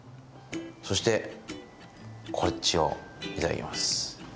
そしてこっちをいただきます。